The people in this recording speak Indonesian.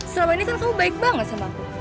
selama ini kan kamu baik banget sama aku